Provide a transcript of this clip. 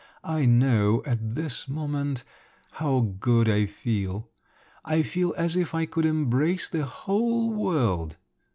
I now, at this moment … how good I feel! I feel as if I could embrace the whole world!